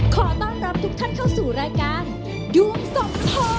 ขอต้อนรับทุกท่านเข้าสู่รายการดวงสมทอ